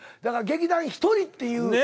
だから「劇団ひとり」っていう。